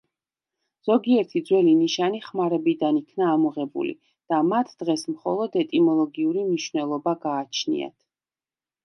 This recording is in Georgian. ზოგიერთი ძველი ნიშანი ხმარებიდან იქნა ამოღებული და მათ დღეს მხოლოდ ეტიმოლოგიური მნიშვნელობა გააჩნიათ.